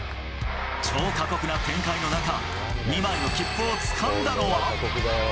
超過酷な展開の中、２枚の切符をつかんだのは。